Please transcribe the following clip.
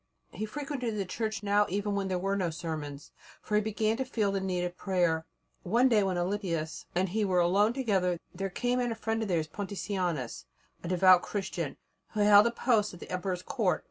He frequented the Church now even when there were no sermons, for he began to feel the need of prayer. One day when Alypius and he were alone together there came in a friend of theirs, Pontitianus, a devout Christian, who held a post at the Emperor's Court.